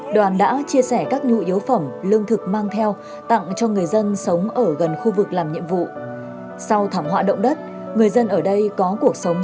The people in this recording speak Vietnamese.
đoàn công tác bộ công an việt nam